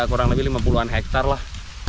kurang lebih lima puluhan hektar lah